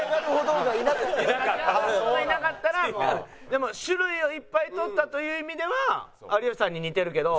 でも種類をいっぱい取ったという意味では有吉さんに似てるけど。